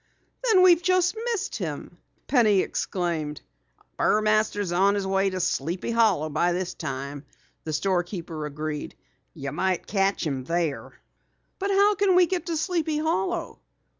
"Then we've just missed him!" Penny exclaimed. "Burmaster's on his way to Sleepy Hollow by this time," the store keeper agreed. "You might catch him there." "But how can we get to Sleepy Hollow?"